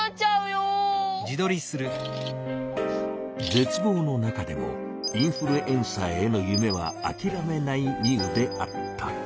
ぜつ望のなかでもインフルエンサーへのゆめはあきらめないミウであった。